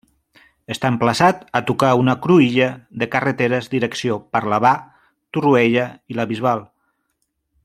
Està emplaçat a tocar una cruïlla de carreteres direcció Parlavà, Torroella i la Bisbal.